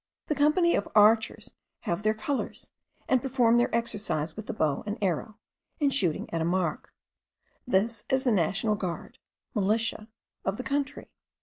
The company of archers have their colours, and perform their exercise with the bow and arrow, in shooting at a mark; this is the national guard (militia) of the country.